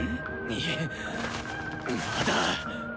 いえまだ！